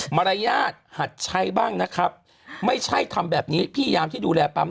มารยาทหัดใช้บ้างนะครับไม่ใช่ทำแบบนี้พี่ยามที่ดูแลปั๊ม